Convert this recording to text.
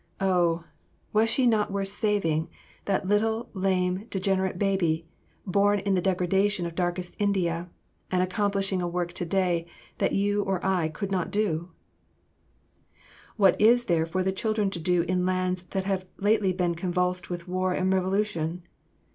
Oh! was she not worth saving, that little, lame, degenerate baby, born in the degradation of darkest India, and accomplishing a work today that you or I could not do? [Sidenote: Work for the children of Turkey and Persia.] What is there for the children to do in lands that have lately been convulsed with war and revolution?